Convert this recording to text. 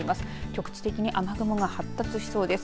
局地的に雨雲が発達しそうです。